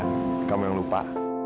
tuh kak kamu yang lupa